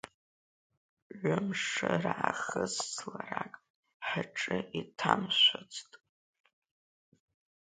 Ҩы-мшы раахыс зларак ҳҿы иҭамшәацт.